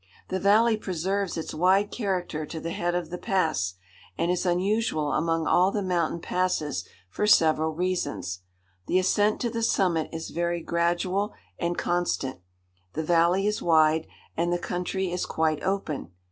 The valley preserves its wide character to the head of the pass, and is unusual among all the mountain passes for several reasons. The ascent to the summit is very gradual and constant, the valley is wide, and the country is quite open.